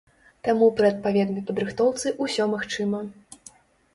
Таму пры адпаведнай падрыхтоўцы ўсё магчыма.